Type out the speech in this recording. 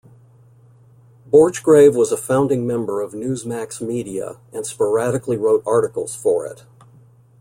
Borchgrave was a founding member of Newsmax Media and sporadically wrote articles for it.